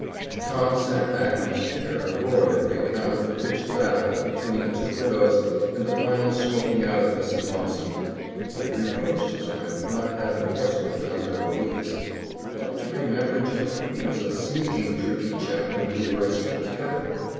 Tom sat back in his chair and roared at the account of the pitched battle between the two widows and the final smoking out of Mrs. Mumpson, but he reproached his friend for not having horsewhipped Lemuel Weeks. "Don't you remember, Jim, he was a sneaking, tricky chap when we were at school together?